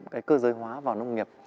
cái cơ giới hóa vào nông nghiệp